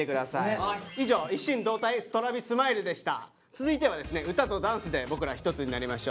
続いてはですね歌とダンスで僕ら一つになりましょう。